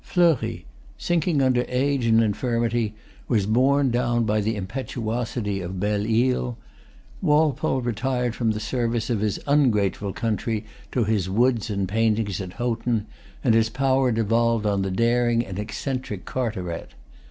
Fleury, sinking under age and infirmity, was borne down by the impetuosity of Belle Isle. Walpole retired from the service of his ungrateful country to his woods and paintings at Houghton; and his power devolved on the daring and eccentric Carteret.